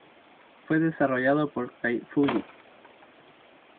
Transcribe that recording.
Fue desarrollado por Kai Fu-Lee.